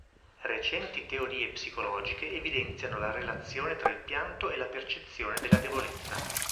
Recenti teorie psicologiche evidenziano la relazione tra il pianto e la percezione della debolezza.